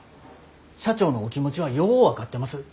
社長のお気持ちはよう分かってます。